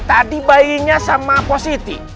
tadi bayinya sama positi